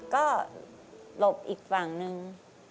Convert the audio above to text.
ก็หลบอีกฝั่งนึง